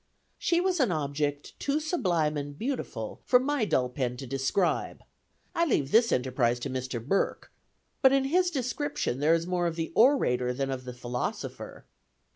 "She was an object too sublime and beautiful for my dull pen to describe. I leave this enterprise to Mr. Burke. But, in his description, there is more of the orator than of the philosopher.